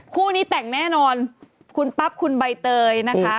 คู่นี้แต่งแน่นอนคุณปั๊บคุณใบเตยนะคะ